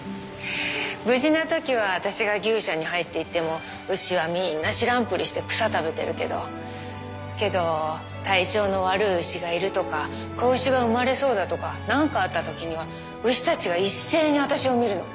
無事な時は私が牛舎に入っていっても牛はみんな知らんぷりして草食べてるけどけど体調の悪い牛がいるとか子牛が産まれそうだとか何かあった時には牛たちが一斉に私を見るの。